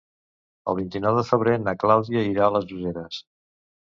El vint-i-nou de febrer na Clàudia irà a les Useres.